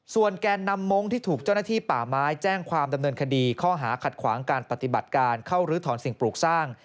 แกนนำมงค์ที่ถูกเจ้าหน้าที่ป่าไม้แจ้งความดำเนินคดีข้อหาขัดขวางการปฏิบัติการเข้าลื้อถอนสิ่งปลูกสร้าง